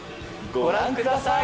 ご覧ください。